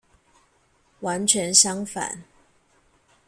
完全相反！